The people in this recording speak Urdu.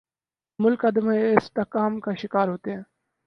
ملک عدم استحکام کا شکار ہوتے ہیں۔